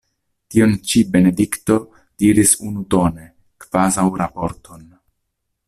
Tion ĉi Benedikto diris unutone, kvazaŭ raporton.